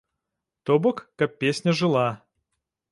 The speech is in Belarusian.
То бок, каб песня жыла.